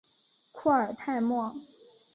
库尔泰莫。